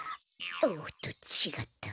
おっとちがった。